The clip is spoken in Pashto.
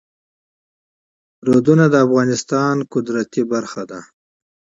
دریابونه د افغانستان د طبیعت برخه ده.